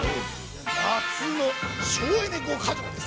夏の省エネ５か条です。